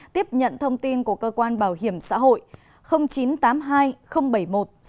tiếp nhận thông tin của cơ quan bảo hiểm xã hội chín trăm tám mươi hai bảy mươi một sáu trăm sáu mươi chín